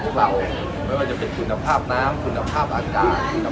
พี่เองคิดว่าไงครับ